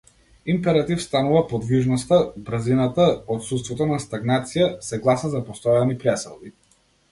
Императив станува подвижноста, брзината, отуството на стагнација, се гласа за постојани преселби.